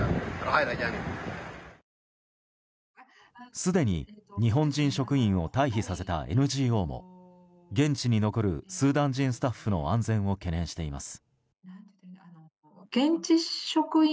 すでに日本人職員を退避させたＮＧＯも現地に残るスーダン人スタッフの安全を懸念しています。